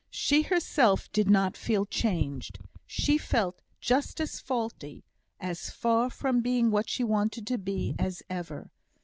She herself did not feel changed. She felt just as faulty as far from being what she wanted to be, as ever.